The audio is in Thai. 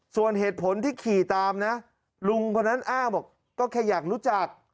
ส่วนเหตุผลที่ขี่ตามนะลุงคนนั้นอ้างบอกก็แค่อยากรู้จัก